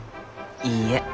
いいえ。